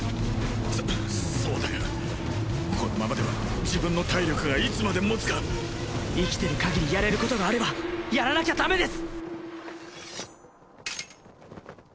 そそうだがこのままでは自分の体力がいつまでもつか生きてる限りやれることがあればやらなきゃダメです！